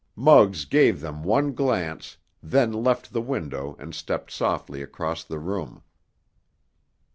Muggs gave them one glance, then left the window and stepped softly across the room.